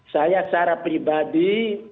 saya secara pribadi